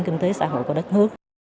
kinh tế xã hội của đất nước